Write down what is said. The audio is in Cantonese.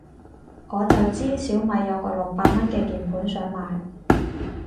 我就知小米有個六百蚊嘅鍵盤想買